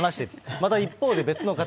また一方で、別の方。